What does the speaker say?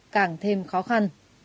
càng thêm khó khăn